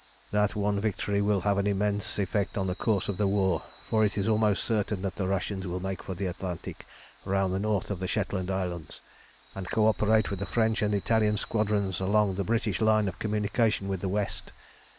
"That one victory will have an immense effect on the course of the war, for it is almost certain that the Russians will make for the Atlantic round the north of the Shetland Islands, and co operate with the French and Italian squadrons along the British line of communication with the West.